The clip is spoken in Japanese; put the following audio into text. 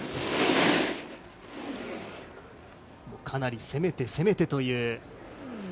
かなり攻めて、攻めてという。